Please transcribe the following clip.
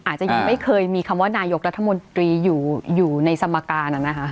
อาจจะยังไม่เคยมีคำว่าบัคกี้นายกรัฐมนตรีอยู่ในสรรคัณนะฮะ